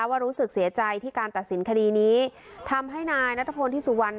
ว่ารู้สึกเสียใจที่การตัดสินคดีนี้ทำให้นายนัทพลที่สุวรรณ